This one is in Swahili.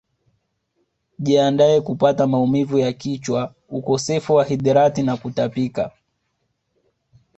Jiandae kupata maumivu ya kichwa ukosefu wa hidrati na kutapika